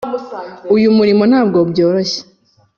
uyu murimo ntabwo byoroshye.